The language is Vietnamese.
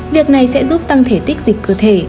việc này sẽ giúp tăng thể tích dịch cơ thể